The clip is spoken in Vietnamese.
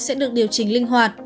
sẽ được điều chỉnh linh hoạt